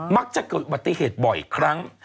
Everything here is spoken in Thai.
มักจะเกิดอุบัติเหตุบ่อยครั้ง